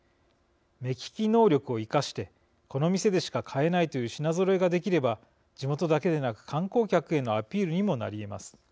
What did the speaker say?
目利き能力を生かしてこの店でしか買えないという品ぞろえができれば地元だけでなく観光客へのアピールにもなりえます。